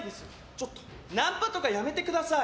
ちょっとナンパとかやめてください！